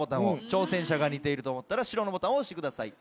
挑戦者が似てると思ったら白のボタンを押してください。